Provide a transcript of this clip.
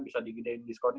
bisa digedain diskonnya